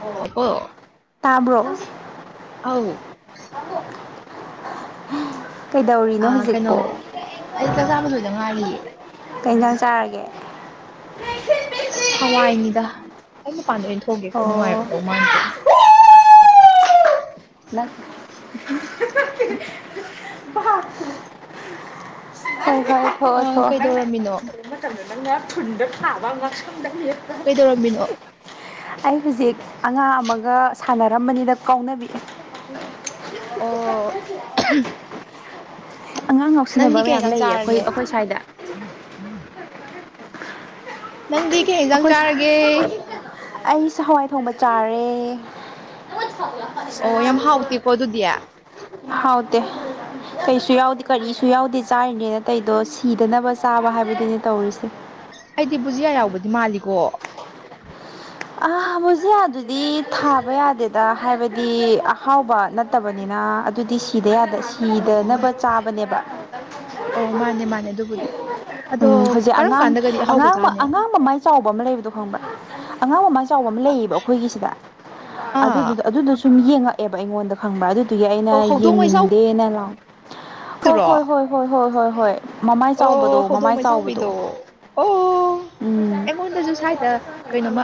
ꯍꯣ ꯑꯣ ꯇꯥꯕ꯭ꯔꯣ ꯑꯧ [unintelligible] ꯀꯩꯗꯧꯔꯤꯅꯣ ꯀꯩꯅꯣ ꯍꯣꯖꯤꯛꯄꯨ ꯑꯩ ꯆꯥꯛ ꯆꯥꯕ ꯂꯣꯏꯗ ꯉꯥꯏꯔꯤꯌꯦ ꯀꯩ ꯏꯟꯖꯥꯡ ꯆꯥꯔꯒꯦ ꯍꯋꯥꯏꯅꯤꯗ ꯑꯩ ꯃꯄꯥꯟꯗ ꯑꯣꯏꯅ ꯊꯣꯛꯎꯒꯦꯀꯣ ꯑꯣ ꯅꯨꯡꯉꯥꯏꯔꯣꯏꯗꯧ ꯃꯥꯟꯗ꯭ꯔꯦ ꯅꯠ [unintelligible] ꯍꯣꯏ ꯍꯣꯏ ꯑ ꯊꯣꯑꯣ ꯊꯣꯑꯣ ꯀꯩꯗꯧꯔꯝꯃꯤꯅꯣ [unintelligible] [unintelligible] ꯀꯟꯗ ꯅꯪꯅ ꯊꯨꯟꯗ ꯊꯥꯕ ꯉꯛꯁꯝꯗ ꯃꯦꯠꯄ ꯀꯩꯗꯧꯔꯝꯃꯤꯅꯣ ꯑꯩ ꯍꯨꯖꯤꯛ ꯑꯉꯥꯡ ꯑꯃꯒ ꯁꯥꯟꯅꯔꯝꯕꯅꯤꯗ ꯀꯥꯎꯅꯕꯤ ꯑꯣ [unintelligible] ꯑꯉꯥꯡ ꯅꯪꯗꯤ ꯉꯥꯎꯁꯤꯟꯅꯕ ꯀꯩ ꯃꯌꯥꯝ ꯏꯟꯖꯥꯡ ꯂꯩꯌꯦ ꯑꯩꯈꯣꯏ ꯆꯥꯔꯒꯦ ꯑꯩꯈꯣꯏ ꯁ꯭ꯋꯥꯏꯗ ꯅꯪꯗꯤ ꯀꯩ ꯍ‌ꯦꯟꯖꯥꯡ ꯑꯩꯈꯣꯏ ꯆꯥꯔꯒꯦ ꯑꯩꯁꯨ ꯍꯋꯥꯏ ꯊꯣꯡꯕ ꯆꯥꯔꯦ [unintelligible] ꯑꯣ ꯌꯥꯝ ꯍꯥꯎꯇꯦꯀꯣ ꯑꯗꯨꯗꯤ ꯍꯥꯎꯇꯦ ꯀꯩꯁꯨ ꯌꯥꯎꯗꯦ ꯀꯔꯤꯁꯨ ꯌꯥꯎꯗꯦ ꯆꯥꯔꯤꯅꯦꯅ ꯇꯩꯏꯗꯣ ꯁꯤꯗꯅꯕ ꯆꯥꯕ ꯍꯥꯏꯕꯗꯨꯅꯦ ꯇꯧꯔꯤꯁꯤ ꯑꯩꯗꯤ ꯕꯨꯖꯤꯌꯥ ꯌꯥꯎꯕꯗꯤ ꯃꯥꯜꯂꯤꯀꯣ ꯑꯥ ꯕꯨꯖꯤꯌꯥꯗꯨꯗꯤ ꯊꯥꯕ ꯌꯥꯗꯦꯠ ꯗ ꯍꯥꯏꯕꯗꯤ ꯑꯍꯥꯎꯕ ꯅꯠꯇꯕꯅꯤꯅ ꯑꯗꯨꯗꯤ ꯁꯤꯗ ꯌꯥꯗ ꯁꯤ ꯑꯣ ꯀꯤꯗꯅꯕ ꯆꯥꯕꯅꯦꯕ ꯑꯣ ꯃꯥꯅꯦ ꯃꯥꯅꯦ ꯑꯗꯨꯕꯨꯗꯤ ꯑꯗꯣ ꯎꯝ ꯍꯧꯖꯤꯛ ꯀꯔꯝ ꯑꯉꯥꯡ ꯀꯥꯟꯗꯒꯗꯤ ꯑꯍꯥꯎꯕ ꯑꯉꯥꯡ ꯃ ꯆꯥꯅꯤ ꯑꯉꯥꯡ ꯃꯃꯥꯏ ꯆꯥꯎꯕ ꯑꯃ ꯂꯩꯕꯗꯣ ꯈꯪꯕ꯭ꯔꯥ ꯑꯉꯥꯡ ꯃꯃꯥꯏ ꯆꯥꯎꯕ ꯑꯃ ꯂꯩꯌꯦꯕ ꯑꯈꯣꯏꯒꯤꯁꯤꯗ ꯑꯥ ꯑꯗꯨꯗꯨꯗ ꯑꯗꯨꯅ ꯁꯨꯝ ꯌꯦꯡꯉꯛꯑꯦꯕ ꯑꯩꯉꯣꯟꯗ ꯈꯪꯕ꯭ꯔꯥ ꯑꯗꯨꯗꯨꯒꯤ ꯑꯩꯅ ꯑꯣ ꯍꯧꯗꯣꯡ ꯃꯩ ꯌꯦꯡꯅꯤꯡꯗꯦꯅ ꯂꯥꯎꯠ ꯍꯣ ꯆꯥꯎꯕꯗꯨꯔꯣ ꯍꯣꯏ ꯍꯣꯏ ꯍꯣꯏ ꯍꯣꯏ ꯍꯣꯏ ꯍꯣꯏ ꯃꯃꯥꯏ ꯑꯣ ꯆꯥꯎꯕꯗꯣ ꯍꯧꯗꯣꯡ ꯃꯃꯥꯏ ꯆꯥꯎꯕꯗꯣ ꯃꯩꯆꯥꯎꯕꯤꯗꯣ ꯑꯣ ꯎꯝ ꯑꯩꯉꯣꯟꯗꯁꯨ ꯁꯥꯏꯗ ꯀꯩꯅ‌ꯣꯝꯃ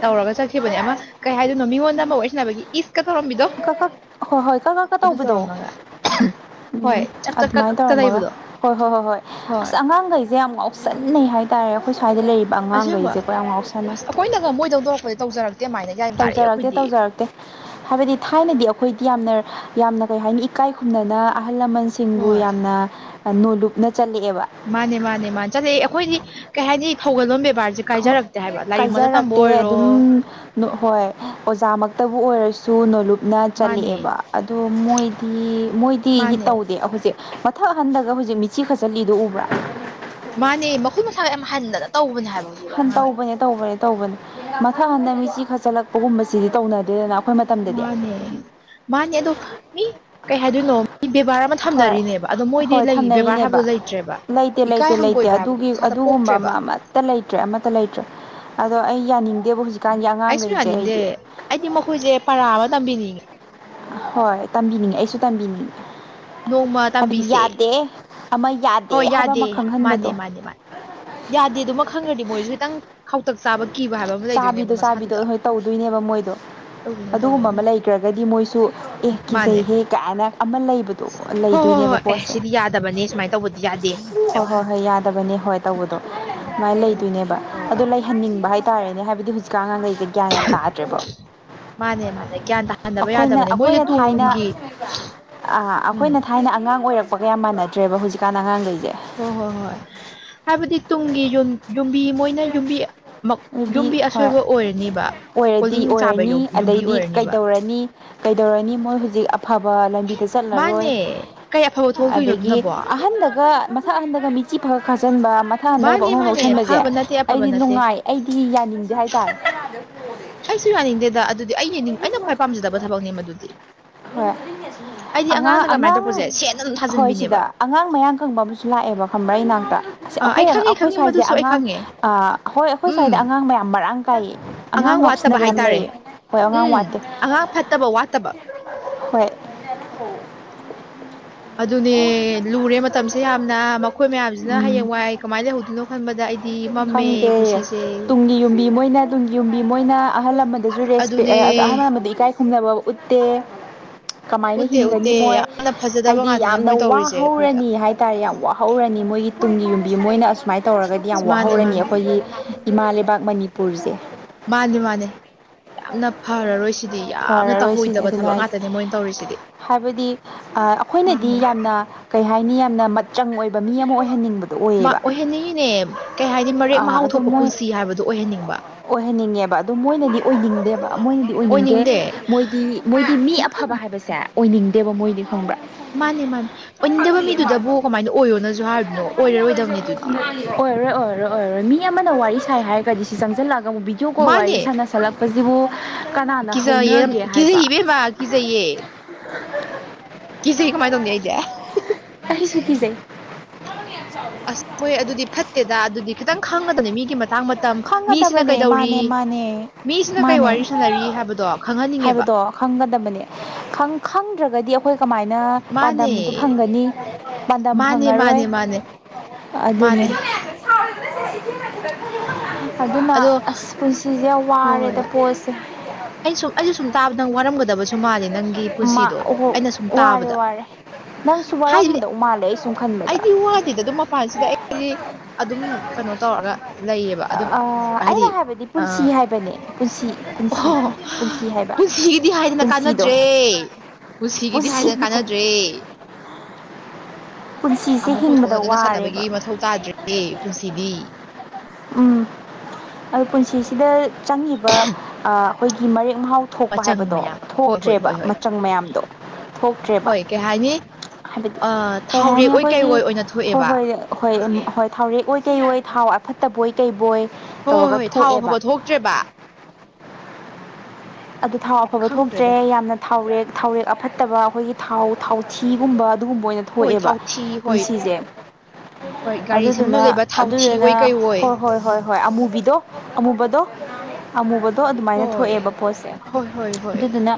ꯇꯧꯔꯒ ꯆꯠꯈꯤꯕꯅꯦ ꯑꯃ ꯀꯩ ꯍꯥꯏꯗꯣꯏꯅꯣ ꯃꯤꯉꯣꯟꯗ ꯑꯃ ꯋꯥꯔꯤ ꯁꯥꯟꯅꯕꯒꯤ ꯏꯁꯀ ꯇꯧꯔꯝꯕꯤꯗꯣ ꯀꯛ ꯀꯛ ꯍꯣꯏ ꯍꯣꯏ ꯀꯛ ꯀꯛꯀ ꯑꯗꯨ ꯇꯧꯕꯗꯣ ꯇꯧꯔꯝꯃꯒ ꯍꯣꯏ ꯎꯝ ꯆꯛ ꯆꯛ ꯀꯛ ꯑꯗꯨꯃꯥꯏꯅ ꯇꯧꯔꯝꯃꯒ ꯀꯂꯩꯕꯗꯣ ꯍꯣꯏ ꯍꯣꯏ ꯍꯣꯏ ꯍꯣꯏ ꯑꯁ ꯑꯉꯥꯡꯒꯩꯖꯦ ꯌꯥꯝ ꯉꯥꯎꯁꯟꯅꯩ ꯍꯥꯏꯇꯥꯔꯦ ꯑꯈꯣꯏ ꯁ꯭ꯋꯥꯏꯗ ꯂꯩꯔꯤꯞ ꯑꯁꯦꯡꯕ ꯑꯁ ꯑꯈꯣꯏꯅꯒ ꯃꯣꯏ ꯗꯧ ꯇꯧꯔꯛꯄꯗ ꯇꯧꯖꯔꯛꯇꯦ ꯃꯥꯏꯅ ꯇꯧꯖꯔꯛꯇꯦ ꯇꯧꯖꯔꯛꯇꯦ ꯍꯥꯏꯕꯗꯤ ꯊꯥꯏꯅꯗꯤ ꯑꯈꯣꯏꯗꯤ ꯌꯥꯝꯅꯔ ꯌꯥꯝꯅ ꯀꯩ ꯍꯥꯏꯅꯤ ꯏꯀꯥꯏ ꯈꯨꯝꯅꯅ ꯑꯍꯜ ꯂꯃꯟꯁꯤꯡꯕꯨ ꯍꯣꯏ ꯌꯥꯝꯅ ꯅꯣꯂꯨꯨꯞꯅ ꯆꯠꯂꯛꯑꯦꯕ ꯃꯥꯅꯦ ꯃꯥꯅꯦ ꯃꯥꯅꯦ ꯆꯠꯂꯑꯦ ꯑꯈꯣꯏꯗꯤ ꯀꯩ ꯍꯥꯏꯅꯤ ꯊꯧꯒꯜꯂꯣꯟ ꯕꯦꯕꯥꯔ ꯈꯣ ꯀꯥꯏꯖꯔꯛꯇꯦ ꯑꯗꯨꯝ ꯅꯣ ꯍꯣꯏ ꯑꯣꯖꯥꯃꯛꯇꯕꯨ ꯑꯣꯏꯔꯁꯨ ꯅꯣꯂꯨꯞꯅ ꯃꯥꯅꯦ ꯆꯠꯂꯦꯛꯑꯦꯕ ꯑꯗꯣ ꯃꯣꯏꯗꯤ ꯃꯣꯏꯗꯤ ꯃꯥꯅꯦ ꯇꯧꯗꯦ ꯑꯍꯨꯖꯤꯛ ꯃꯊꯛ ꯑꯍꯟꯗꯒ ꯍꯨꯖꯤꯛ ꯃꯤꯠꯆꯤ ꯈꯠꯆꯜꯂꯤꯗꯨ ꯎꯕ꯭ꯔꯥ ꯃꯥꯅꯦ ꯃꯈꯨꯠ ꯃꯁꯥꯒ ꯌꯥꯝ ꯍꯟꯗꯅ ꯇꯧꯕꯅꯦ ꯍꯥꯏꯕ ꯍꯧꯖꯤꯛꯀꯥꯟ ꯍꯟ ꯑꯉꯥꯡꯈꯩ ꯇꯧꯕꯅꯦ ꯇꯧꯕꯅꯦ ꯇꯧꯕꯅꯦ ꯃꯊꯛ ꯍꯟꯗ ꯃꯤꯆꯤ ꯈꯠꯆꯜꯂꯛꯄꯒꯨꯝꯕꯁꯤꯗꯤ ꯇꯧꯅꯗꯦꯗꯅ ꯑꯩꯈꯣꯏ ꯃꯇꯝꯗꯗꯤ ꯃꯥꯅꯦ ꯃꯥꯅꯦ ꯑꯗꯣ ꯃꯤ ꯀꯩ ꯍꯥꯏꯗꯣꯏꯅꯣ ꯏ ꯕꯦꯕꯥꯔ ꯑꯃ ꯍꯣꯏ ꯊꯝꯅꯔꯤꯅꯦꯕ ꯑꯗꯣ ꯃꯣꯏꯗꯤ ꯍꯣꯏ ꯂꯩ ꯕꯦꯕꯥꯔ ꯊꯝꯅꯔꯤꯅꯦꯕ ꯍꯥꯏꯕꯗꯣ ꯂꯩꯇ꯭ꯔꯦꯕ ꯂꯩꯇꯦ ꯏꯀꯥꯏ ꯂꯩꯇꯦ ꯂꯩꯇꯦ ꯍꯪꯒꯣꯏꯕ ꯍꯥꯏꯕꯗꯣ ꯑꯗꯨꯒꯤ ꯑꯗꯨꯒꯨꯝꯕ ꯑꯃ ꯑꯃꯠꯇ ꯂꯩꯇ꯭ꯔꯦ ꯑꯃꯠꯇ ꯂꯩꯇ꯭ꯔꯦ ꯑꯗꯣ ꯑꯩ ꯌꯥꯅꯤꯡ ꯗꯦꯕ ꯍꯨꯖꯤꯛꯀꯥꯟꯒꯤ ꯑꯩ ꯁꯨꯝ ꯑꯉꯥꯡꯒꯩꯖꯦ ꯑꯩꯗꯤ ꯌꯥꯅꯤꯡꯗꯦ ꯑꯩꯗꯤ ꯃꯈꯣꯏꯖꯦ ꯄꯔꯥ ꯑꯃ ꯇꯝꯕꯤꯅꯤꯡꯉꯤ ꯍꯣꯏ ꯇꯝꯕꯤꯅꯤꯡꯉꯦ ꯑꯩꯁꯨ ꯇꯝꯕꯤꯅꯤꯡꯉꯦ ꯅꯣꯡꯃ ꯍꯥꯏꯕꯗꯤ ꯇꯝꯕꯤꯁꯦ ꯌꯥꯗꯦ ꯑꯃ ꯌꯥꯗꯦ ꯍꯣꯏ ꯍꯥꯏꯕ ꯑꯃ ꯌꯥꯗꯦ ꯈꯪꯍꯟꯕꯗꯣ ꯃꯥꯅꯦ ꯃꯥꯅꯦ ꯃꯥꯅꯦ ꯌꯥꯗꯦ ꯗꯨꯃ ꯈꯪꯒ꯭ꯔꯗꯤ ꯃꯣꯏꯖꯨ ꯈꯤꯇꯪ ꯈꯥꯎꯇꯛ ꯆꯥꯕ ꯀꯤꯕ ꯍꯥꯏꯕ ꯑꯃ ꯂꯩꯗꯣꯏꯅꯦꯕ ꯆꯥꯕꯤꯗꯣ ꯆꯥꯕꯤꯗꯣ ꯃꯁꯥꯗꯨꯗ ꯍꯣꯏ ꯇꯧꯗꯣꯏꯅꯦꯕ ꯃꯣꯏꯗꯣ ꯇꯧꯗꯣꯏꯅꯦ ꯑꯗꯨꯒꯨꯝꯕ ꯇꯧꯗꯣꯏꯅꯦ ꯑꯃ ꯂꯩꯈ꯭ꯔꯒꯗꯤ ꯃꯣꯏꯁꯨ ꯑꯦ ꯃꯥꯅꯦ ꯀꯤꯖꯩꯍꯦ ꯀꯥꯏꯅ ꯑꯃ ꯂꯩꯕꯗꯣ ꯍꯣꯏ ꯍꯣꯏ ꯂꯩꯗꯣꯏꯅꯦꯕ ꯍꯣꯏ ꯑꯦ ꯄꯣꯠꯁꯦ ꯁꯤꯗꯤ ꯌꯥꯗꯕꯅꯦ ꯁꯨꯃꯥꯏꯅ ꯇꯧꯕꯗꯤ ꯌꯥꯗꯦ ꯍꯣꯏ ꯍꯥꯏꯕꯗꯣ ꯍꯣꯏ ꯍꯣꯏ ꯌꯥꯗꯕꯅꯦ ꯍꯣꯏ ꯇꯧꯕꯗꯣ ꯑꯗꯨꯃꯥꯏꯅ ꯂꯩꯗꯣꯏꯅꯦꯕ ꯍꯣꯏ ꯑꯗꯣ ꯂꯩꯍꯟꯅꯤꯡꯕ ꯍꯥꯏꯇꯥꯔꯦꯅꯦ ꯍꯥꯏꯕꯗꯤ ꯍꯧꯖꯤꯛꯀꯥꯟ ꯑꯉꯥꯡ ꯒꯩꯖꯦ ꯀꯤꯌꯥꯟ ꯌꯥꯝ ꯇꯥꯗ꯭ꯔꯦꯕꯥ ꯃꯥꯅꯦ ꯃꯥꯅꯦ ꯒ꯭ꯌꯥꯟ ꯇꯥꯍꯟꯗꯕ ꯌꯥꯗꯕꯅꯦ ꯃꯣꯏꯖꯦ ꯇꯨꯡꯒꯤ ꯑ ꯎꯝ ꯑꯈꯣꯏꯅ ꯊꯥꯏꯅ ꯑꯉꯥꯡ ꯑꯣꯏꯔꯛꯄꯒ ꯌꯥꯝ ꯃꯥꯟꯅꯗ꯭ꯔꯦꯕ ꯍꯨꯖꯤꯛꯀꯥꯟ ꯑꯉꯥꯡꯒꯩꯖꯦ ꯍꯣꯏ ꯍꯣꯏ ꯍꯣꯏ ꯍꯥꯏꯕꯗꯤ ꯇꯨꯡꯒꯤ ꯌꯨꯝ ꯌꯨꯝꯕꯤ ꯃꯣꯏꯅ ꯌꯨꯝꯕꯤ ꯅꯨꯕꯤ ꯌꯨꯝꯕꯤ ꯍꯣꯏ ꯑꯁꯣꯏꯕ ꯑꯣꯏꯔꯅꯤꯕ ꯀꯣꯂꯤꯡ ꯆꯥꯕ ꯌꯨꯝꯕꯤ ꯑꯣꯏꯔꯅꯦꯕ ꯔꯅꯤ ꯀꯩꯗꯧꯔꯅꯤ ꯃꯣꯏ ꯍꯨꯖꯤꯛ ꯑꯐꯕ ꯂꯝꯕꯤꯗ ꯆꯠꯂꯔꯣꯏ ꯃꯥꯅꯦ ꯀꯩ ꯑꯐꯕ ꯊꯣꯛꯂꯛꯇꯣꯏꯅꯣ ꯑꯗꯒꯤ ꯑꯗꯨꯅꯕꯣ ꯑꯍꯟꯕꯒ ꯃꯊꯛ ꯑꯍꯟꯗꯒ ꯃꯤꯆꯤ ꯐꯔꯛ ꯈꯥꯠꯆꯟꯕ ꯃꯊꯛ ꯍꯟꯗꯒ ꯃꯥꯅꯦ ꯄꯅꯧꯛ ꯃꯥꯅꯦ ꯅꯣꯛꯁꯟ ꯕꯖꯦ ꯐꯕ ꯅꯠꯇꯦ ꯑꯐꯕ ꯑꯩꯗꯤ ꯅꯠꯇꯦ ꯅꯨꯡꯉꯥꯏ ꯑꯩꯗꯤ ꯌꯥꯅꯤꯡꯗꯦ ꯍꯥꯏꯇꯥꯔꯦ ꯑꯩꯁꯨ ꯌꯥꯅꯤꯡꯗꯦꯗ ꯑꯗꯨꯗꯤ ꯑꯩꯅꯅꯤꯡ ꯑꯩꯅ ꯈ꯭ꯋꯥꯏ ꯄꯥꯝꯖꯗꯕ ꯊꯕꯛꯅꯦ ꯃꯗꯨꯗꯤ ꯍꯣꯏ ꯑꯩꯗꯤ ꯑꯉꯥꯡ ꯑꯉꯥꯡꯅ ꯀꯃꯥꯏꯅ ꯑꯉꯥꯡ ꯇꯧꯕꯁꯦ ꯁꯦꯠꯅ ꯑꯗꯨꯝ ꯍꯣꯏ ꯊꯥꯖꯤꯟꯕꯤꯅꯦꯕ ꯁꯤꯗ ꯑꯉꯥꯡ ꯃꯌꯥꯟ ꯀꯪꯕ ꯑꯃ ꯁꯨ ꯂꯥꯛꯑꯦꯕ ꯈꯝꯕ꯭ꯔꯥ ꯏꯅꯥꯛꯇ ꯑꯁ ꯑꯥ ꯑꯩ ꯑꯈꯣꯏ ꯑꯉꯡ ꯈꯪꯉꯦ ꯑꯩꯈꯣꯏ ꯈꯪꯉꯦ ꯁ꯭ꯋꯥꯏꯖꯦ ꯃꯗꯨꯁꯨ ꯑꯩ ꯑꯉꯥꯡ ꯈꯪꯉꯦ ꯑ ꯍꯣꯏ ꯑꯩꯈꯣꯏ ꯎꯝ ꯁ꯭ꯋꯥꯏꯗ ꯑꯉꯥꯡ ꯃꯌꯥꯝ ꯃꯔꯥꯡ ꯀꯥꯏꯌꯦ ꯑꯉꯥꯡ ꯋꯥꯠꯇꯕ ꯉꯥꯎꯁꯤꯟꯅꯕ ꯌꯥꯝ ꯍꯥꯏꯇꯥꯔꯦ ꯂꯩꯌꯦ ꯍꯣꯏ ꯑꯉꯥꯡ ꯎꯝ ꯋꯥꯠꯇꯦ ꯑꯉꯥꯡ ꯐꯠꯇꯕ ꯋꯥꯠꯇꯕ ꯍꯣꯏ ꯑꯗꯨꯅꯦ ꯂꯨꯔꯦ ꯃꯇꯝꯁꯦ ꯌꯥꯝꯅ ꯃꯈꯣꯏ ꯃꯌꯥꯝꯖꯤ ꯑꯗꯨꯅ ꯍꯌꯦꯡ ꯎꯝ ꯋꯥꯏ ꯀꯃꯥꯏ ꯂꯩꯍꯣꯗꯨꯅꯣ ꯈꯟꯕꯗ ꯑꯩꯗꯤ ꯃꯝꯃꯦ ꯈꯪꯗꯦ ꯄꯨꯟꯁꯤꯁꯦ ꯇꯨꯡꯒꯤ ꯌꯨꯝꯕꯤ ꯃꯣꯏꯅ ꯇꯨꯡ ꯌꯨꯝꯕꯤ ꯃꯣꯏꯅ ꯑꯍꯜ ꯂꯃꯟꯗꯁꯨ ꯔꯦꯁꯄꯦꯛ ꯑꯗꯨꯅꯦ ꯑꯍꯜ ꯂꯃꯗ ꯏꯀꯥꯏ ꯈꯨꯝꯅꯕ ꯎꯠꯇꯦ ꯀꯃꯥꯏꯅ ꯎꯠꯇꯦ ꯍꯤꯡꯒꯅꯤ ꯎꯠꯇꯦ ꯃꯣꯏ ꯌꯥꯝꯅ ꯐꯖꯗꯕ ꯍꯥꯏꯗꯤ ꯉꯥꯛꯇꯅꯦ ꯌꯥꯝꯅ ꯃꯣꯏ ꯋꯥ ꯇꯧꯔꯤꯁꯦ ꯑꯩꯈꯣꯏꯗ ꯍꯧꯔꯅꯤ ꯍꯥꯏ ꯍꯥꯏ ꯇꯥꯔꯦ ꯌꯥꯝ ꯋꯥꯍꯧꯔꯅꯤ ꯃꯣꯏꯒꯤ ꯇꯨꯡꯒꯤ ꯌꯨꯝꯕꯤ ꯃꯣꯏꯅ ꯑꯁꯨꯃꯥꯏꯅ ꯇꯧꯔꯒꯗꯤ ꯌꯥꯝ ꯃꯥꯅꯦ ꯋꯥꯍꯧꯔꯅꯤ ꯃꯥꯅꯦ ꯑꯩꯈꯣꯏꯒꯤ ꯏꯃꯥ ꯂꯩꯕꯥꯛ ꯃꯅꯤꯄꯨꯔꯁꯦ ꯃꯥꯅꯦ ꯃꯥꯅꯦ ꯌꯥꯝꯅ ꯐꯔꯔꯣꯏ ꯁꯤꯗꯤ ꯗꯤ ꯌꯥꯝꯅ ꯐꯔꯔꯣꯏ ꯁꯤꯅꯤ ꯇꯧꯍꯣꯏꯗꯕ ꯑꯗꯨꯅ ꯊꯕꯛ ꯍꯥꯏꯁꯦ ꯉꯥꯛꯇꯅꯦ ꯃꯣꯏꯅ ꯇꯧꯔꯤꯁꯤꯗꯤ ꯍꯥꯏꯕꯗꯤ ꯑꯩꯈꯣꯏꯅꯗꯤ ꯃꯥꯅꯦ ꯌꯥꯝꯅ ꯀꯩ ꯍꯥꯏꯅꯤ ꯌꯥꯝꯅ ꯃꯠꯆꯪ ꯑꯣꯏꯕ ꯃꯤ ꯑꯃ ꯑꯣꯏꯍꯟꯅꯤꯡꯕꯗꯣ ꯑꯗꯨ ꯑꯣꯏꯌꯦꯕ ꯃꯤꯅꯦ ꯀꯩ ꯍꯥꯏꯅꯤ ꯃꯔꯦꯛ ꯃꯍꯥꯎ ꯑꯗꯨ ꯊꯣꯛꯄ ꯃꯣꯏ ꯄꯨꯟꯁꯤ ꯍꯥꯏꯕꯗꯨ ꯑꯣꯏꯍꯟꯅꯤꯡꯕ ꯑꯣꯏꯍꯟꯅꯤꯡꯉꯦꯕ ꯑꯗꯣ ꯃꯣꯏꯅꯗꯤ ꯑꯣꯏꯅꯤꯡꯗꯦꯕ ꯃꯣꯏꯅꯗꯤ ꯑꯣꯏꯅꯤꯡꯗꯦ ꯃꯣꯏꯗꯤ ꯃꯣꯏꯗꯤ ꯃꯤ ꯑꯐꯕ ꯃꯥꯅꯤ ꯍꯥꯏꯕꯁꯦ ꯑꯣꯏꯅꯤꯡꯗꯦꯕ ꯃꯣꯏꯗꯤ ꯈꯪꯕ꯭ꯔꯥ ꯃꯥꯅꯦ ꯃꯥꯅꯦ ꯑꯣꯏꯅꯤꯡꯗꯕ ꯈꯪꯗꯦ ꯃꯥꯁꯨ ꯃꯤꯗꯨꯗꯕꯨ ꯀꯃꯥꯏꯅ ꯑꯣꯏꯌꯣꯅꯁꯨ ꯍꯥꯏꯔꯤꯅꯣ ꯑꯣꯏꯔꯔꯣꯏꯗꯕꯅꯦ ꯑꯗꯨꯗꯤ ꯑꯣꯏꯔꯣꯏ ꯑꯣꯏꯔꯣꯏ ꯑꯣꯏꯔꯣꯏ ꯃꯤ ꯑꯃꯅ ꯋꯥꯔꯤ ꯁꯥꯏ ꯍꯥꯏꯔꯒꯗꯤ ꯁꯤ ꯆꯪꯁꯤꯜꯂꯛꯑꯒ ꯑꯃꯨꯛꯕꯤ ꯗꯤꯑꯨ ꯀꯣꯜ ꯃꯥꯅꯦ ꯋꯥꯔꯤ ꯁꯥꯟꯅꯁꯜꯂꯛꯄꯁꯤꯕꯨ ꯀꯅꯥꯅ ꯀꯤꯖꯩꯌꯦ ꯍꯧꯅꯒꯦ ꯍꯥꯏꯕ ꯏꯕꯦꯝꯃ ꯀꯤꯖꯩꯌꯦ ꯀꯤꯖꯩꯌꯦ ꯀꯃꯥꯏꯅ ꯇꯧꯅꯤ ꯑꯩꯗꯤ ꯑꯩꯁꯨ ꯀꯤꯖꯩ [unintelligible] ꯑꯁ ꯃꯣꯏ ꯑꯗꯨꯗꯤ ꯐꯠꯇꯦꯗ ꯑꯗꯨꯗꯤ ꯈꯤꯇꯪ ꯈꯪꯉꯗꯅꯤ ꯃꯤꯒꯤ ꯃꯇꯥꯡ ꯃꯇꯝ ꯃꯤꯁꯤꯅ ꯈꯪꯒꯗꯕꯅꯦ ꯃꯥꯅꯦ ꯀꯩꯗꯧꯔꯤ ꯃꯥꯅꯦ ꯃꯤꯁꯤꯅ ꯀꯩ ꯃꯥꯅꯦ ꯋꯥꯔꯤ ꯁꯥꯟꯅꯔꯤ ꯍꯥꯏꯕꯗꯣ ꯈꯪꯍꯟꯅꯤꯡꯉꯦꯕ ꯍꯥꯏꯕꯗꯣ ꯈꯪꯒꯗꯕꯅꯦ ꯈꯪꯗ꯭ꯔꯒꯗꯤ ꯑꯩꯈꯣꯏ ꯀꯃꯥꯏꯅ ꯃꯥꯅꯦ ꯄꯥꯟꯗꯝꯗꯨ ꯐꯪꯒꯅꯤ ꯄꯥꯟꯗꯝ ꯃꯥꯅꯦ ꯐꯪꯉꯔꯣꯏ ꯃꯥꯅꯦ ꯃꯥꯅꯦ ꯑꯗꯨꯅꯤ ꯃꯥꯅꯦ ꯑꯗꯨꯅ ꯑꯗꯣ ꯑꯁ ꯄꯨꯟꯁꯤꯁꯦ ꯌꯥꯝ ꯋꯥꯔꯦꯗ ꯄꯣꯠꯁꯦ ꯑꯩꯅ ꯁꯨꯝ ꯑꯩꯁꯨ ꯁꯨꯝ ꯇꯥꯕꯗ ꯅꯪ ꯋꯥꯔꯝꯒꯗꯕꯁꯨ ꯃꯥꯜꯂꯦ ꯅꯪ ꯃꯥ ꯄꯨꯟꯁꯤꯗꯣ ꯑꯣꯍꯣ ꯑꯩꯅ ꯁꯨꯝ ꯋꯥꯔꯦ ꯇꯥꯕꯗ ꯋꯥꯔꯦ ꯅꯪꯁꯨ ꯍꯥꯏꯕꯗꯤ ꯋꯥꯔꯝꯃꯗꯧ ꯃꯥꯜꯂꯦ ꯑꯩ ꯁꯨꯝ ꯈꯟ ꯑꯩꯗꯤ ꯋꯥꯗꯤꯗ ꯑꯗꯨꯝ ꯃꯄꯥꯟꯁꯤꯒ ꯑꯩꯗꯤ ꯑꯗꯨꯝ ꯀꯩꯅꯣ ꯇꯧꯔꯒ ꯂꯩꯌꯦꯕ ꯑꯗꯨꯝ ꯍꯥꯏꯗꯤ ꯑꯩꯅ ꯍꯥꯏꯕꯗꯤ ꯑ ꯄꯨꯟꯁꯤ ꯍꯥꯏꯕꯅꯦ ꯄꯨꯟꯁꯤ ꯄꯨꯟꯁꯤ ꯑꯣ ꯄꯨꯟꯁꯤ ꯍꯥꯏꯕ ꯄꯨꯟꯁꯤꯒꯤꯗꯤ ꯍꯥꯏꯗꯅ ꯄꯨꯟꯁꯤꯗꯣ ꯀꯥꯟꯅꯗ꯭ꯔꯦ ꯄꯨꯟꯁꯤꯒꯤꯗꯤ ꯍꯥꯏꯗꯅ ꯄꯨꯟꯁꯤꯗꯣ ꯀꯥꯟꯅꯗ꯭ꯔꯦ ꯄꯨꯟꯁꯤꯁꯦ ꯑꯃꯨꯛ ꯍꯤꯡꯕꯗ ꯄꯨꯊꯣꯛꯅꯗꯅ ꯋꯥꯔꯦꯕ ꯁꯥꯟꯅꯕꯒꯤ ꯃꯊꯧ ꯇꯥꯗ꯭ꯔꯦ ꯄꯨꯟꯁꯤꯗꯤ ꯎꯝ ꯑꯗꯨ ꯄꯨꯟꯁꯤꯁꯤꯗ ꯆꯪꯉꯤꯕ ꯑꯩꯈꯣꯏꯒꯤ ꯃꯔꯦꯛ ꯃꯍꯥꯎ ꯊꯣꯛꯄ ꯃꯆꯪ ꯍꯥꯏꯕꯗꯣ ꯃꯌꯥꯝ ꯍꯣꯏ ꯍꯣꯏ ꯊꯣꯛꯇ꯭ꯔꯦꯕ ꯍꯣꯏ ꯍꯣꯏ ꯃꯆꯪ ꯃꯌꯥꯝꯗꯣ ꯊꯣꯛꯇ꯭ꯔꯦꯕ ꯍꯣꯏ ꯀꯩ ꯍꯥꯏꯅꯤ ꯍꯥꯏꯕꯗꯤ ꯑ ꯀꯩ ꯍꯥꯏꯅꯤ ꯊꯥꯎꯔꯦꯛ ꯑꯣꯏ ꯀꯩ ꯑꯩꯈꯣꯏꯒꯤ ꯑꯣꯏ ꯑꯣꯏꯅ ꯍꯣꯏ ꯊꯣꯛꯑꯦꯕ ꯍꯣꯏ ꯍꯣꯏ ꯍꯣꯏ ꯊꯥꯎꯔꯦꯛ ꯑꯣꯏꯣꯏ ꯀꯩ ꯑꯣꯏ ꯊꯥꯎ ꯑꯐꯠꯇꯕꯣꯏ ꯀꯩꯕꯣꯏ ꯇꯧꯔꯒ ꯊꯣꯛꯑꯦꯕ ꯇ꯭ꯔꯦꯕꯥ ꯑꯗꯨ ꯊꯥꯎ ꯑꯐꯕ ꯊꯣꯛꯇ꯭ꯔꯦ ꯌꯥꯝꯅ ꯊꯥꯎꯔꯦꯛ ꯊꯥꯎꯔꯦꯛ ꯑꯐꯠꯇꯕ ꯑꯩꯈꯣꯏꯒꯤ ꯊꯥꯎ ꯊꯥꯎꯊꯤꯒꯨꯝꯕ ꯑꯗꯨꯒꯨꯝꯕ ꯑꯣꯏꯅ ꯍꯣꯏ ꯊꯣꯛꯑꯦꯕ ꯊꯥꯎꯊꯤ ꯍꯣꯏ ꯄꯨꯟꯁꯤꯁꯦ ꯍꯣꯏ ꯒꯥꯔꯤ ꯁꯦꯝꯐꯝꯗ ꯑꯗꯨꯗꯨꯅ ꯂꯩꯕ ꯊꯥꯎꯊꯤ ꯑꯗꯨꯗꯨꯅ ꯑꯣꯏ ꯀꯩ ꯑꯣꯏ ꯍꯣꯏ ꯍꯣꯏ ꯍꯣꯏ ꯍꯣꯏ ꯑꯃꯨꯕꯤꯗꯣ ꯑꯃꯨꯕꯗꯣ ꯑꯃꯨꯕꯗꯣ ꯑꯗꯨꯃꯥꯏꯅ ꯍꯣꯏ ꯊꯣꯛꯑꯦꯕ ꯄꯣꯠꯁꯦ ꯍꯣꯏ ꯍꯣꯏ ꯍꯣꯏ ꯅ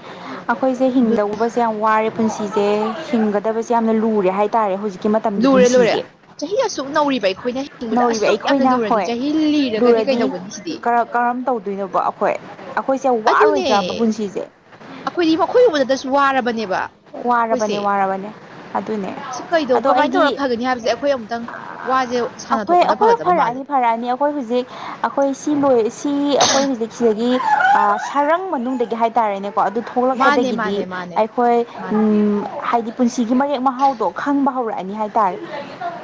ꯑꯩꯈꯣꯏꯁꯦ ꯍꯤꯡꯗꯧꯕꯁꯦ ꯌꯥꯝ ꯋꯥꯔꯦ ꯄꯨꯟꯁꯤꯁꯦ ꯍꯤꯡꯒꯗꯕꯁꯦ ꯌꯥꯝꯅ ꯂꯨꯔꯦ ꯍꯥꯏꯇꯥꯔꯦ ꯍꯧꯖꯤꯛꯀꯤ ꯀꯤ ꯃꯇꯝꯒꯤ ꯂꯨꯔꯦ ꯂꯨꯔꯦ ꯄꯨꯟꯁꯤꯁꯦ ꯆꯍꯤ ꯑꯁꯨꯛ ꯅꯧꯔꯤꯕ ꯑꯩꯈꯣꯏꯅ ꯍꯤꯡꯕꯗ ꯅꯧꯔꯤꯕ ꯑꯁꯨꯛ ꯌꯥꯝꯅ ꯑꯩꯈꯣꯏꯅ ꯂꯨꯔꯗꯤ ꯆꯍꯤ ꯂꯤꯔꯒꯗꯤ ꯀꯩꯗꯧꯒꯅꯤ ꯁꯤꯗꯤ ꯀꯔꯝ ꯀꯔꯝ ꯇꯧꯗꯣꯏꯅꯣꯕ ꯑꯩꯈꯣꯏ ꯑꯩꯈꯣꯏꯁꯦ ꯑꯗꯨꯅꯦ ꯋꯥꯔꯣꯏꯗ꯭ꯔꯕ ꯄꯨꯟꯁꯤꯁꯦ ꯑꯩꯈꯣꯏꯗꯤ ꯃꯈꯣꯏ ꯎꯕꯗꯗꯁꯨ ꯋꯥꯔꯕꯅꯦꯕ ꯋꯥꯔꯕꯅꯦ ꯋꯥꯔꯕꯅꯦ ꯑꯗꯨꯅꯦ ꯁꯤ ꯀꯩꯗꯣ ꯑꯗꯣ ꯀꯃꯥꯏ ꯑꯩꯗꯤ ꯇꯧꯔꯒ ꯐꯒꯅꯤ ꯍꯥꯏꯕꯁꯦ ꯑꯈꯣꯏ ꯑꯃꯨꯛꯇꯪ ꯋꯥꯖꯦ ꯁꯥꯟꯅꯊꯣꯛꯄꯗ ꯐꯒꯗꯕ ꯃꯥꯜꯂꯦ꯫ ꯀꯩꯍꯥꯏꯅꯤ ꯑꯈꯣꯏ ꯍꯨꯖꯤꯛ ꯑꯈꯣꯏ ꯁꯤ ꯂꯣꯏ ꯁꯤ ꯑꯈꯣꯏ ꯍꯧꯛ ꯁꯤꯗꯒꯤ ꯁꯔꯛ ꯏꯃꯨꯡ ꯃꯅꯨꯡꯗꯒꯤ ꯍꯥꯏꯇꯥꯔꯦꯅꯦꯀꯣ ꯑꯗꯨ ꯃꯥꯅꯦ ꯊꯣꯛꯂꯛꯄꯗꯒꯤꯗꯤ ꯃꯥꯅꯦ ꯃꯥꯅꯦ ꯑꯩꯈꯣꯏ ꯃꯥꯅꯦ ꯎꯝ ꯍꯥꯏꯗꯤ ꯄꯨꯟꯁꯤꯒꯤ ꯃꯔꯦꯛ ꯃꯍꯥꯎꯗꯣ ꯈꯪꯕ ꯍꯧꯔꯛꯑꯅꯤ ꯍꯥꯏꯇꯥꯔꯦ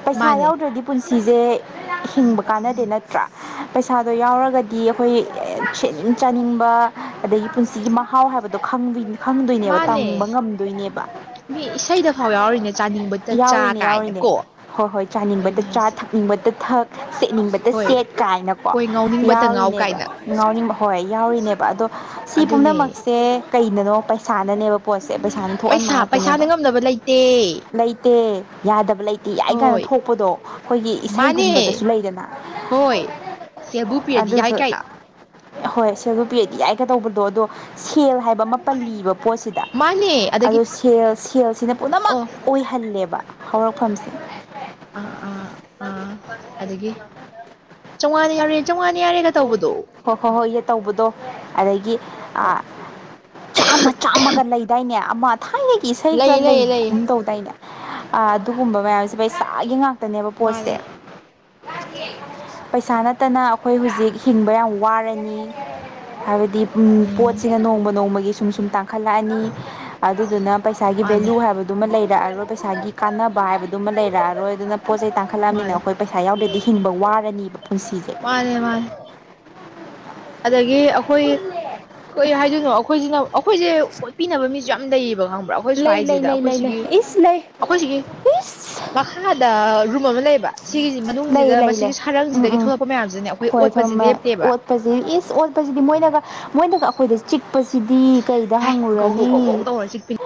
ꯄꯩꯁꯥ ꯃꯥꯅꯦ ꯌꯥꯎꯗ꯭ꯔꯗꯤ ꯄꯨꯟꯁꯤꯖꯦ ꯍꯤꯡꯕ ꯀꯥꯟꯅꯗꯦ ꯅꯠꯇ꯭ꯔꯥ ꯄꯩꯁꯥꯗꯣ ꯌꯥꯎꯔꯒꯗꯤ ꯑꯩꯈꯣꯏ ꯁꯦꯠꯅꯤꯡ ꯆꯥꯅꯤꯡꯕ ꯑꯗꯒꯤ ꯄꯨꯟꯁꯤꯒꯤ ꯃꯍꯥꯎ ꯍꯥꯏꯕꯗꯣ ꯈꯪ ꯈꯪꯗꯣꯏꯅꯦꯕ ꯃꯥꯅꯦ ꯇꯪꯕ ꯉꯝꯗꯣꯏꯅꯦꯕ꯫ ꯃꯤ ꯏꯁꯩꯗ ꯐꯥꯎ ꯌꯥꯎꯔꯤꯅꯦ ꯆꯥꯅꯤꯡꯕꯇ ꯆꯥ ꯌꯥꯎꯔꯤꯅꯦ ꯌꯥꯎꯔꯤꯅꯦ ꯀꯥꯏꯅꯀꯣ꯫ ꯍꯣꯏ ꯍꯣꯏ ꯆꯥꯅꯤꯡꯕꯇ ꯆꯥ ꯊꯛꯅꯤꯡꯕꯇ ꯊꯛ ꯁꯦꯠꯅꯤꯡꯕ ꯍꯣꯏ ꯁꯦꯠ ꯀꯥꯏꯅꯀꯣ ꯍꯣꯏ ꯉꯥꯎꯅꯤꯡꯕꯇ ꯉꯥꯎ ꯌꯥꯎꯔꯤꯅꯦꯕ ꯀꯥꯏꯅ ꯉ ꯍꯣꯏ ꯌꯥꯎꯔꯤꯅꯦꯕ ꯑꯗꯣ ꯁꯤ ꯑꯗꯨꯅꯦ ꯄꯨꯝꯅꯃꯛꯁꯦ ꯀꯩꯅꯅꯣ ꯄꯩꯁꯥꯅꯅꯦꯕ ꯄꯣꯠꯁꯦ ꯄꯩꯁꯥꯅ ꯊꯣꯛꯍꯟꯕ ꯄꯩꯁꯥ ꯉꯥꯛꯇꯅꯦꯕ ꯄꯩꯁꯥꯅ ꯉꯝꯅꯕ ꯂꯩꯇꯦ ꯂꯩꯇꯦ ꯌꯥꯗꯕ ꯂꯩ ꯇꯤ ꯌꯥꯏ ꯀꯥꯏꯅ ꯍꯣꯏ ꯊꯣꯛꯄꯗꯣ ꯑꯈꯣꯏꯒꯤ ꯃꯥꯅꯦ ꯏꯁꯩꯒꯨꯝꯕꯗꯁꯨ ꯂꯩꯗꯅ ꯍꯣꯏ ꯁꯦꯜꯕꯨ ꯄꯤꯔꯗꯤ ꯌꯥꯏ ꯑꯗꯨꯗꯣ ꯀꯥꯏꯅ꯫ ꯍꯣꯏ ꯁꯦꯜꯕꯨ ꯄꯤꯔꯗꯤ ꯌꯥꯏꯒ ꯇꯧꯕꯗꯣ ꯑꯗꯣ ꯁꯦꯜ ꯍꯥꯏꯕ ꯑꯃ ꯄꯜꯂꯤꯕ ꯄꯣꯠꯁꯤꯗ꯫ ꯃꯥꯅꯦ ꯑꯗꯒꯤ ꯑꯗꯨ ꯁꯦꯜ ꯁꯦꯜꯁꯤꯅ ꯄꯨꯝꯅꯃꯛ ꯑꯣ ꯑꯣꯏꯍꯜꯂꯦꯕ ꯍꯧꯔꯛꯐꯝꯁꯦ꯫ ꯑꯥ ꯑꯥ ꯑꯥ ꯑꯗꯒꯤ ꯆꯧꯉꯥꯅ ꯌꯥꯔꯦ ꯆꯧꯉꯥꯅ ꯌꯥꯔꯦꯒ ꯇꯧꯕꯗꯣ ꯍꯣꯏ ꯍꯣꯏ ꯍꯣꯏ ꯏ ꯇꯧꯕꯗꯣ ꯑꯗꯒꯤ ꯍꯣꯏ ꯑꯥ ꯆꯥꯝꯃ ꯆꯥꯝꯃꯒ ꯂꯩꯗꯥꯏꯅꯦ ꯑꯃ ꯊꯥꯏꯅꯒꯤ ꯏꯁꯩꯒ ꯂꯩ ꯂꯩ ꯂꯩ ꯂꯩꯒꯨꯝ ꯇꯧꯗꯥꯏꯅꯦ ꯑꯗꯨꯒꯨꯝꯕ ꯃꯌꯥꯝꯁꯦ ꯄꯩꯁꯥꯒꯤ ꯉꯥꯛ ꯇꯅꯦꯕ ꯄꯣꯠꯁꯦ ꯃꯥꯅꯦ ꯄꯩꯁꯥ ꯅꯠꯇꯅ ꯑꯈꯣꯏ ꯍꯨꯖꯤꯛ ꯍꯤꯡꯕ ꯌꯥꯝ ꯋꯥꯔꯅꯤ ꯍꯥꯏꯕꯗꯤ ꯎꯝ ꯄꯣꯠꯁꯤꯅ ꯅꯣꯡꯃ ꯅꯣꯡꯃꯒꯤ ꯁꯨꯝ ꯁꯨꯝ ꯇꯥꯡ ꯈꯜꯂꯛꯑꯅꯤ ꯑꯗꯨꯗꯨꯅ ꯄꯩꯁꯥꯒꯤ ꯃꯥꯅꯦ ꯚꯦꯂꯨ ꯍꯥꯏꯕꯗꯨꯃ ꯂꯩꯔꯛꯑꯔꯣꯏ ꯄꯩꯁꯥꯒꯤ ꯀꯥꯟꯅꯕ ꯍꯥꯏꯕꯗꯨꯃ ꯂꯩꯔꯛꯑꯔꯣꯏ ꯑꯗꯨꯅ ꯄꯣꯠ ꯆꯩ ꯇꯥꯡꯈꯠꯂꯝꯅꯤꯅ ꯃꯥꯅꯦ ꯑꯩꯈꯣꯏ ꯄꯩꯁꯥ ꯌꯥꯎꯗ꯭ꯔꯗꯤ ꯍꯤꯡꯕ ꯋꯥꯔꯅꯤꯕ ꯄꯨꯟꯁꯤꯁꯦ꯫ ꯃꯥꯅꯦ ꯃꯥꯅꯦ ꯑꯗꯒꯤ ꯑꯈꯣꯏ ꯀꯩ ꯍꯥꯏꯗꯣꯏꯅꯣ ꯑꯈꯣꯏꯖꯤꯅ ꯑꯩꯈꯣꯏꯖꯦ ꯑꯣꯠꯄꯤꯅꯕ ꯃꯤꯁ ꯌꯥꯝ ꯂꯩꯩꯌꯦꯕ ꯈꯪꯕ꯭ꯔꯥ ꯑꯈꯣꯏ ꯂꯩ ꯂꯩ ꯁ꯭ꯋꯥꯏꯖꯤꯗ ꯂꯩ ꯑꯈꯣꯏ ꯂꯩ ꯂꯩ ꯁꯤꯒꯤ ꯏꯁ ꯂꯩ ꯑꯈꯣꯏ ꯁꯤꯒꯤ ꯏꯁ ꯃꯈꯥꯗ ꯔꯨꯞ ꯑꯃ ꯂꯩꯌꯦꯕ ꯁꯤꯒꯤꯖꯤ ꯃꯅꯨꯡꯖꯤꯗ ꯂꯩ ꯂꯩ ꯂꯩ ꯃꯁꯤꯒꯤ ꯎꯝ ꯁꯔꯪꯖꯤꯗꯒꯤ ꯊꯣꯛꯂꯛꯄ ꯃꯌꯥꯝꯁꯤꯅ ꯑꯈꯣꯏ ꯑꯣꯠꯄꯁꯤ ꯂꯦꯞꯇꯦꯕ꯫ ꯄꯖꯤ ꯏꯁ ꯑꯣꯠꯄꯖꯤꯗꯤ ꯃꯣꯏꯅꯒ ꯃꯣꯏꯅꯒ ꯑꯈꯣꯏꯗ ꯆꯤꯛꯄꯖꯤꯗꯤ ꯀꯩꯗ ꯍꯥꯏ ꯒꯧ ꯒꯧ ꯒꯧ ꯒꯧ ꯍꯪꯉꯨꯔꯅꯤ ꯇꯧꯔ ꯆꯤꯛꯄꯤꯅꯤ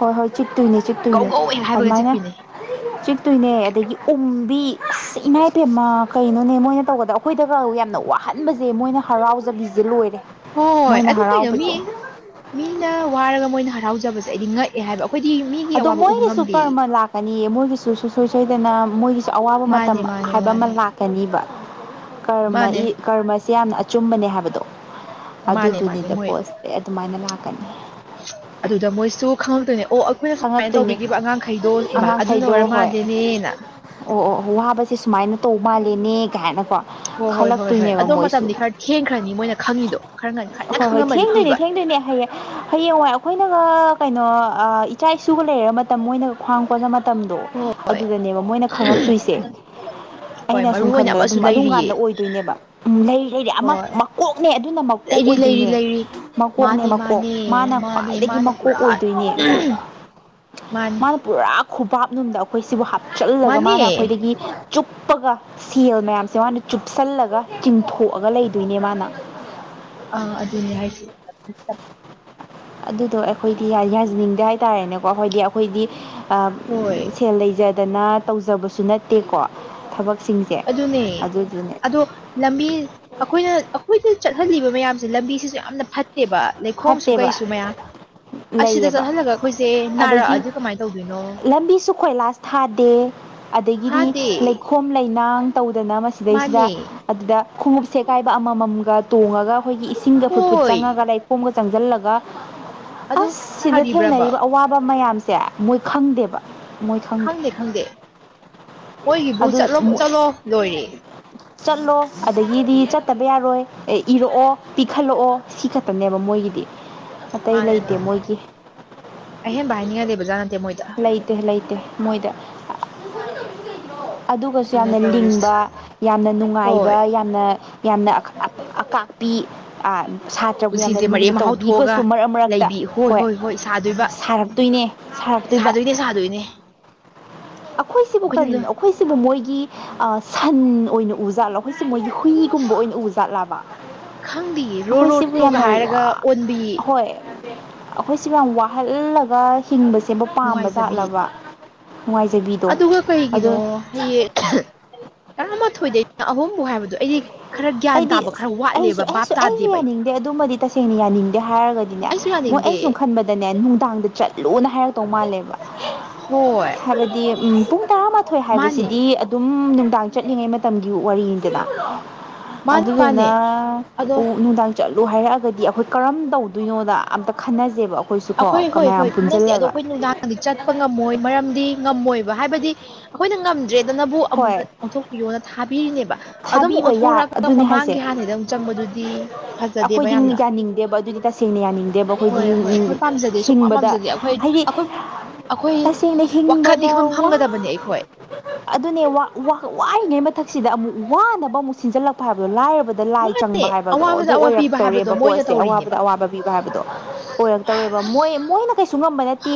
ꯍꯣꯏ ꯍꯣꯏ ꯆꯤꯠꯇꯣꯏꯅꯦ ꯒꯧ ꯆꯤꯠꯇꯣꯏꯅꯦ ꯒꯧ ꯍꯦꯛ ꯍꯥꯏꯕꯒ ꯑꯗꯨꯃꯥꯏꯅ ꯆꯤꯛꯄꯤꯅꯤ ꯆꯤꯠꯇꯣꯏꯅꯦ ꯑꯗꯒꯤ ꯎꯝ ꯑꯁ ꯏꯃꯥ ꯏꯄꯦꯝꯃ ꯀꯩꯅꯣꯅꯦ ꯃꯣꯏꯅ ꯇꯧꯕꯗ ꯑꯩꯈꯣꯏꯗꯒ ꯌꯥꯝꯅ ꯋꯥꯍꯟꯕꯁꯦ ꯃꯣꯏꯅ ꯍꯔꯥꯎ ꯕꯤꯖꯦ ꯂꯣꯏꯔꯦ ꯍꯣꯏ ꯃꯣꯏꯅ ꯑꯗꯨ ꯀꯩꯅꯣ ꯃꯤ ꯍꯔꯥꯎꯕꯖꯦ ꯃꯤꯅ ꯋꯥꯔꯒ ꯃꯣꯏꯅ ꯍꯔꯥꯎꯖꯕꯖꯦ ꯑꯩꯗꯤ ꯉꯛꯑꯦ ꯍꯥꯏꯕ ꯑꯈꯣꯏꯗꯤ ꯃꯤꯒꯤ ꯑꯋꯥꯕ ꯎꯕ ꯉꯝꯗꯦ꯫ ꯅꯤꯌꯦ ꯃꯣꯏꯒꯤꯁꯨ ꯁꯨꯡꯁꯣꯏ ꯁꯣꯏꯗꯅ ꯃꯣꯏꯒꯤꯁꯨ ꯑꯋꯥꯕ ꯃꯥꯅꯦ ꯃꯇꯝ ꯃꯥꯅꯦ ꯍꯥꯏꯕ ꯑꯃ ꯃꯥꯅꯦ ꯂꯥꯛꯀꯅꯤꯕ꯫ ꯀꯔꯃ ꯃꯥꯅꯦ ꯏ ꯀꯔꯃꯁꯦ ꯌꯥꯝꯅ ꯑꯆꯨꯝꯕꯅꯦ ꯍꯥꯏꯕꯗꯣ ꯃꯥꯅꯦ ꯃꯥꯅꯦ ꯑꯗꯨꯗꯨꯅꯤꯗ ꯃꯣꯏ ꯄꯣꯠꯁ‌ꯦ꯫ ꯑꯗꯨꯃꯥꯏꯅ ꯂꯥꯛꯀꯅꯤ ꯑꯗꯨꯗ ꯃꯣꯏꯁꯨ ꯈꯪꯪꯂꯛꯇꯣꯏꯅꯦ ꯑꯣ ꯑꯈꯣꯏꯅ ꯁꯨꯃꯥꯏꯅ ꯈꯪꯉꯛꯇꯣꯏꯅꯦ ꯇꯧꯕꯤꯈꯤꯕ ꯑꯉꯥꯡꯈꯩꯗꯣ ꯑꯗꯨꯅ ꯑꯉꯥꯡꯈꯩꯗꯣ ꯑꯣꯏꯔ ꯍꯣꯏ ꯃꯥꯜꯂ‌ꯦꯅꯦꯅ꯫ ꯑꯣ ꯑꯣ ꯋꯥꯕꯁꯦ ꯁꯨꯃꯥꯏꯅ ꯇꯧ ꯃꯥꯂꯦꯅꯦ ꯀꯥꯏꯅꯀꯣ꯫ ꯍꯣꯏ- ꯍꯣꯏ -ꯍꯣꯏ- ꯍꯣꯏ ꯈꯜꯂꯛꯇꯣꯏꯅꯦꯕ ꯑꯗꯣ ꯃꯣꯏꯁꯨ ꯃꯇꯝꯗꯤ ꯈꯔ ꯊꯦꯡꯈ꯭ꯔꯅꯤ ꯃꯣꯏꯅ ꯈꯪꯉꯤꯗꯣ ꯈꯔ ꯉꯟꯈꯠꯅ ꯈꯪꯉꯝꯃꯗꯤ ꯐꯩꯕ ꯂꯩꯅ ꯍꯩꯌꯦ ꯍꯌꯦꯡꯋꯥꯏ ꯑꯩꯈꯣꯏꯅꯒ ꯀꯩꯅꯣ ꯏꯆꯥ ꯏꯁꯨꯒ ꯂꯩꯔ ꯃꯇꯝ ꯃꯣꯏꯅ ꯈ꯭ꯋꯥꯡ ꯀꫭꯟꯕꯃꯠ ꯃꯇꯝꯗꯣ ꯍꯣꯏ ꯑꯗꯨꯗꯅꯦꯕ ꯃꯣꯏꯅ ꯈꯪꯉꯛꯇꯣꯏꯁꯦ ꯍꯣꯏ ꯑꯩꯅ ꯃꯔꯨ ꯁꯨꯝ ꯑꯣꯏꯅ ꯈꯟꯕꯗ ꯑꯃꯁꯨ ꯑꯗꯨꯝ ꯑꯗꯨꯝ ꯂꯩꯔꯤꯌꯦ ꯀꯥꯟꯗ ꯑꯣꯏꯗꯣꯏꯅꯦꯕ ꯎꯝ ꯂꯩ ꯂꯩꯔ ꯑꯃ ꯍꯣꯏ ꯃꯀꯣꯛꯅꯦ ꯑꯗꯨꯅ ꯃꯥ ꯂꯩꯔꯤ -ꯂꯩꯔꯤ -ꯂꯩꯔꯤ ꯃꯀꯣꯛꯅꯦ ꯃꯥꯅꯦ -ꯃꯀꯣꯛ ꯃꯥꯅꯦ ꯃꯥꯅ ꯃꯥꯅꯦ ꯈ꯭ꯋꯥꯏꯗꯒꯤ ꯃꯥꯅ ꯃꯀꯣꯛ ꯄꯨꯔꯥ ꯑꯣꯏꯗꯣꯏꯅꯦ ꯃꯥꯅꯦ ꯃꯥꯅ ꯄꯨꯔꯥ ꯈꯨꯄꯥꯛ ꯅꯨꯡꯗ ꯑꯩꯈꯣꯏ ꯁꯤꯕꯨ ꯍꯥꯞꯆꯤꯜꯂꯒ ꯃꯥꯅꯦ ꯃꯥꯅ ꯑꯩꯈꯣꯏꯗꯒꯤ ꯆꯨꯞꯄꯒ ꯁꯦꯜ ꯃꯌꯥꯝꯁꯦ ꯃꯥꯅ ꯆꯨꯞꯁꯜꯂꯒ ꯆꯤꯡꯊꯣꯛꯑꯒ ꯂꯩꯗꯣꯏꯅꯦ ꯃꯥꯅ ꯑ ꯑꯗꯨꯅꯦ ꯍꯥꯏꯁ‌ꯦ ꯑꯗꯨꯗꯣ ꯑꯩꯈꯣꯏꯗꯤ ꯌꯥꯖꯅꯤꯡꯗꯦ ꯍꯥꯏꯇꯥꯔꯦꯅꯦꯀꯣ ꯍꯣꯏꯗꯤ ꯑꯩꯈꯣꯏꯗꯤ ꯑꯥ ꯍꯣꯏ ꯁꯦꯜ ꯂꯩꯖ ꯗꯅ ꯇꯧꯖꯕꯁꯨ ꯅꯠꯇꯦꯀꯣ ꯊꯕꯛ ꯑꯗꯨꯅꯦ ꯑꯗꯣ ꯂꯝꯕꯤ ꯑꯩꯈꯣꯏꯅ ꯑꯩꯈꯣꯏꯗ ꯆꯠꯍꯜꯂꯤꯕ ꯃꯌꯥꯝꯁꯦ ꯂꯝꯕꯤꯁꯤꯁꯨ ꯌꯥꯝꯅ ꯐꯠ ꯐꯠꯇ‌ꯦꯕ ꯂꯩꯈꯣꯝꯁꯨ ꯐꯠꯇꯦꯕ ꯀꯩꯁꯨꯨ ꯃꯌꯥꯝ ꯑꯁꯤꯗ ꯂꯩꯌꯦꯕ ꯆꯠꯍꯜꯂꯒ ꯑꯩꯈꯣꯏꯁꯦ ꯑꯗꯒꯤ ꯅꯥꯔꯛꯑꯗꯤ ꯀꯃꯥꯏꯅ ꯇꯧꯗꯣꯏꯅꯣ ꯂꯝꯕꯤꯁꯨ ꯀꯣꯏꯂꯥꯁ ꯊꯥꯗꯦ ꯑꯗꯒꯤꯗꯤ ꯊꯥꯗꯦ ꯂꯩꯈꯣꯝ ꯂꯩꯅꯥꯡ ꯇꯧꯗꯅ ꯃꯁꯤꯗꯩꯁꯤꯗ ꯃꯥꯅꯦ ꯑꯗꯨꯗ ꯈꯣꯡꯎꯞꯁꯦꯀꯥꯏꯕ ꯑꯃꯃꯝꯒ ꯇꯣꯡꯉꯒ ꯑꯩꯈꯣꯏꯒꯤ ꯏꯁꯤꯡꯒ ꯐꯨꯠꯐꯨꯠ ꯍꯣꯏ ꯆꯪꯉꯒ ꯂꯩ ꯂꯩꯈꫭꯝꯒ ꯆꯪꯁꯤꯜꯂꯒ ꯑꯗꯨ ꯑꯁ ꯁꯤꯗ ꯐꯔꯤꯕ꯭ꯔꯕ ꯊꯦꯡꯅꯔꯤꯕ ꯑꯋꯥꯕ ꯃꯌꯥꯝ ꯁꯦ ꯃꯣꯏ ꯈꯪꯗꯦꯕ ꯈꯪꯗꯦ ꯈꯪꯗꯦ ꯃꯣꯏꯒꯤꯕꯨ ꯑꯗꯨ ꯆꯠꯂꯣ -ꯆꯠꯂꯣ ꯂꯣꯏꯔꯦ ꯆꯠꯂꯣ ꯑꯗꯒꯤꯗꯤ ꯆꯠꯇꯕ ꯌꯥꯔꯣꯏ ꯏꯔꯛꯑꯣ ꯄꯤꯛꯈꯠꯂꯛꯑꯣ ꯁꯤ ꯈꯛ ꯈꯅꯦꯕ ꯃꯣꯏꯒꯤꯗꯤ ꯑꯇꯩ ꯃꯥꯅꯦ- ꯂꯩꯇꯦ ꯃꯥꯅ‌ꯦ ꯃꯣꯏꯒꯤ ꯑꯍꯦꯟꯕ ꯍꯥꯏꯅꯤꯉꯥꯏ ꯂꯩꯕꯖꯥꯅ ꯂꯩꯇꯦ -ꯂꯩꯇꯦ ꯃꯣꯏꯗ ꯑꯗꯨꯒꯁꯨ ꯑꯗꯨꯅꯦ ꯌꯥꯝꯅ ꯇꯧꯔꯤꯁꯦ ꯂꯤꯡꯕ ꯌꯥꯝꯅ ꯅꯨꯡꯉꯥꯏꯕ ꯍꯣꯏ ꯌꯥꯝꯅ ꯌꯥꯝꯅ ꯑ ꯑ ꯑꯀꯥꯛꯄꯤ ꯑ ꯁꯥꯇ꯭ꯔꯕꯨ ꯌꯥꯝꯅ ꯄꯨꯟꯁꯤꯁꯦ ꯃꯔꯦꯛ ꯃꯍꯥꯎ ꯊꯣꯛꯑꯒ ꯂꯨꯅꯕꯤꯒꯁꯨ ꯃꯔꯛ ꯃꯔꯛꯇ ꯍꯣꯏ ꯁꯥꯔꯛꯇꯣꯏꯅꯦ ꯁꯥꯔꯛ ꯁꯥꯗꯣꯏꯅꯦ -ꯁꯥꯗꯣꯏꯅꯦ ꯑꯩꯈꯣꯏꯁꯤꯕꯨ ꯑꯩꯈꯣꯏꯅ ꯀꯔꯤꯅꯣ ꯑꯩꯈꯣꯏꯁꯤꯕꯨ ꯃꯣꯏꯒꯤ ꯁꯟ ꯑꯣꯏꯅ ꯎꯖꯥꯠꯂꯣ ꯑꯩꯈꯣꯏꯁꯤ ꯃꯣꯏꯒꯤ ꯍꯨꯏ ꯀꯨꯝꯕ ꯑꯣꯏꯅ ꯎꯖꯥꯠꯂꯕ ꯈꯪꯗꯦꯌꯦ ꯔꯣ ꯑꯩꯈꯣꯏ ꯔꯣ ꯁꯤꯕꯨ ꯔꯣꯒ ꯌꯥꯝꯅ ꯋꯥ ꯍꯥꯏꯔꯒ ꯑꯣꯟꯕꯤ ꯍꯣꯏ ꯑꯩꯈꯣꯏꯁꯤꯕꯨ ꯌꯥꯝ ꯋꯥꯍꯜꯂꯒ ꯍꯤꯡꯕꯁꯦꯕꯨ ꯅꯨꯡꯉꯥꯏꯖꯕꯤ ꯄꯥꯝꯕꯖꯥꯠꯂꯕ ꯑꯗꯨꯒ ꯀꯩꯒꯤꯅꯣ ꯑꯗꯣ ꯍꯌꯦꯡ ꯇꯔꯥꯃꯥꯊꯣꯏꯗꯩꯅ ꯑꯍꯨꯝꯕꯨ ꯍꯥꯏꯕꯗꯣ ꯑꯩꯗꯤ ꯈꯔ ꯒ꯭ꯌꯥꯟ ꯇꯥꯕ ꯈꯔ ꯋꯥꯠꯂꯦꯕ ꯕꯥꯞ ꯑꯩꯖꯨ ꯌꯥꯅꯤꯡꯗꯦ ꯑꯗꯨꯃꯗꯤ ꯇꯁꯦꯡꯅ ꯌꯥꯅꯤꯡꯗꯦ ꯍꯥꯏꯔꯒꯗꯤꯅꯦ ꯑꯩꯁꯨ ꯃꯣꯏ ꯌꯥꯅꯤꯡꯗꯦ ꯑꯩ ꯁꯨꯝ ꯈꯟꯕꯗ ꯗꯅꯦ ꯅꯨꯡꯗꯥꯡꯗ ꯆꯠꯂꯨꯅ ꯍꯥꯏꯔꯛꯇꯧ ꯃꯥꯜꯂꯦꯕ ꯍꯣꯏ ꯍꯥꯏꯕꯗꯤ ꯎꯝ ꯄꯨꯡ ꯇꯔꯥꯃꯊꯣꯏ ꯃꯥꯅꯦ ꯍꯥꯏꯕꯁꯤꯗꯤ ꯑꯗꯨꯝ ꯅꯨꯡꯗꯥꯡ ꯆꯠꯂꯤꯉꯩ ꯃꯇꯝꯒꯤ ꯋꯥꯔꯤꯅꯤꯗꯅ ꯃꯥꯅꯦ ꯑꯗꯨꯗꯨꯅ ꯃꯥꯅꯦ ꯑꯗꯣ ꯎ ꯅꯨꯡꯗꯥꯡ ꯆꯠꯂꯨ ꯍꯥꯏꯔꯛꯑꯒꯗꯤ ꯑꯩꯈꯣꯏ ꯀꯔꯝ ꯇꯧꯗꯣꯏꯅꯣꯗ ꯑꯝꯇ ꯈꯟꯅꯖꯦꯕ ꯑꯩꯈꯣꯏꯁꯨ ꯀꯣ ꯑꯩꯈꯣꯏ ꯍꯣꯏ ꯃꯌꯥꯝ ꯍꯣꯏ ꯈꯟꯅꯁꯦ ꯑꯗꯣ ꯄꯨꯟꯖꯤꯜꯂꯒ ꯑꯩꯈꯣꯏ ꯅꯨꯡꯗꯥꯡꯗꯤ ꯆꯠꯄ ꯉꯝꯃꯣꯏ ꯃꯔꯝꯗꯤ ꯉꯝꯃꯣꯏꯕ ꯍꯥꯏꯕꯗꯤ ꯑꯩꯈꯣꯏꯅ ꯉꯝꯗ꯭ꯔꯦ ꯗꯨꯅꯕꯨ ꯑꯃꯨꯛꯀ ꯍꯣꯏ ꯑꯣꯟꯊꯣꯛꯄꯤꯌꯣꯅ ꯊꯥꯕꯤꯔꯤꯅꯦꯕ ꯑꯗꯨꯝ ꯊꯥꯕꯤꯕ ꯌꯥ ꯑꯣꯟꯊꯣꯔꯛꯑꯒ ꯑꯗꯨꯅꯦ ꯍꯥꯏꯁꯦ ꯃꯃꯥꯡꯒꯤ ꯍꯥꯟꯅꯒꯤꯗ ꯑꯃꯨꯛ ꯆꯪꯕꯗꯨꯗꯤ ꯐꯖꯗꯦ [unintelligible] ꯌꯥꯅꯤꯡꯗꯦꯕ ꯑꯗꯨꯗꯤ ꯇꯁꯦꯡꯅ ꯌꯥꯅꯤꯡꯗꯦꯕ ꯑꯈꯣꯏꯗꯤ ꯍꯣꯏ ꯍꯤꯡ ꯍꯣꯏ ꯑꯩꯈꯣꯏ ꯍꯤꯡ ꯄꯥꯝꯖꯗꯦ ꯁꯨꯡꯄꯥꯝ ꯍꯤꯡꯕꯗ ꯄꯥꯝꯖꯗꯦ ꯑꯩꯈꯣꯏ ꯍꯥꯏꯗꯤ ꯑꯩꯈꯣꯏ ꯑꯩꯈꯣꯏ ꯇꯁꯦꯡꯅ ꯋꯥꯈꯜ ꯍꯤꯡꯕꯗ ꯏꯐꯝ ꯋꯥ ꯐꯝꯒꯗꯕꯅꯦ ꯑꯩꯈꯣꯏ ꯑꯗꯨꯅꯦ ꯋꯥ ꯋꯥ ꯋꯥꯔꯤꯉꯩ ꯃꯊꯛꯁꯤꯗ ꯑꯃꯨꯛ ꯋꯥꯅꯕ ꯑꯃꯨꯛ ꯁꯤꯟꯖꯜꯂꯛꯄ ꯍꯥꯏꯕꯗꯣ ꯂꯥꯏꯔꯕꯗ ꯕꯗ ꯃꯥ ꯂꯥꯏ ꯆꯪꯕ ꯍꯥꯏꯕꯗꯣ ꯑꯗꯨ ꯑꯋꯥꯕꯗ ꯑꯋꯥ ꯄꯤꯕ ꯍꯥꯏꯕꯗꯣ ꯑꯣꯏꯔꯛꯇꯧꯔꯦꯕ ꯃꯣꯏꯅ ꯄꯣꯠꯁꯦ ꯇꯧꯔꯤꯅꯦꯕ ꯑꯋꯥꯕꯗ ꯑꯋꯥꯕ ꯄꯤ ꯕ ꯍꯥꯏꯕꯗꯣ ꯑꯣꯏꯔꯛꯇꯧꯔꯦꯕ ꯃꯣꯏ ꯃꯣꯏꯅ ꯀꯩꯁꯨ ꯉꯝꯕ ꯅꯠꯇꯦ